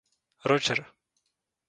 Roger.